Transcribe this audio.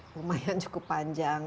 lumayan cukup panjang